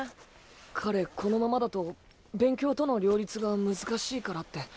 彼このままだと勉強との両立が難しいからって。